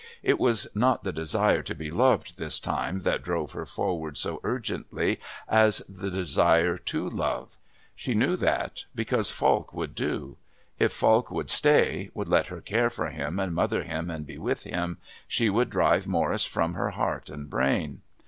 It was not the desire to be loved, this time, that drove her forward so urgently as the desire to love. She knew that, because Falk would do. If Falk would stay, would let her care for him and mother him and be with him, she would drive Morris from her heart and brain.